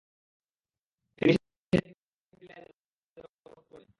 তিনি সেদিন একটি উঁচু টিলায় দাঁড়িয়ে সৈন্যদের অবস্থা পর্যবেক্ষণ করেছিলেন।